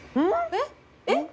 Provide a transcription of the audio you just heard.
えっえっ？